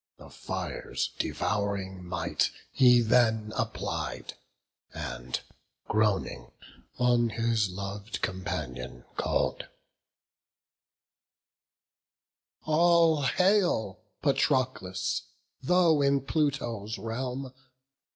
The fire's devouring might he then applied, And, groaning, on his lov'd companion call'd: "All hail, Patroclus, though in Pluto's realm!